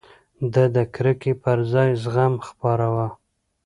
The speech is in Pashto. ده د کرکې پر ځای زغم خپراوه.